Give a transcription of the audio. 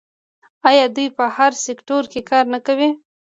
آیا دوی په هر سکتور کې کار نه کوي؟